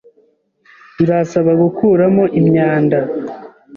Nzasaba gukuramo imyanda.